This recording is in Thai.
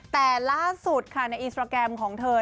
แต่ล่าสุดค่ะในอินสตราแกรมของเธอ